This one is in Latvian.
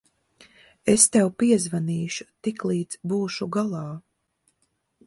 Es tev piezvanīšu, tiklīdz būšu galā.